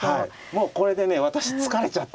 もうこれでね私疲れちゃった。